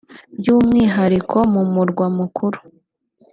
by’umwihariko mu murwa mukuru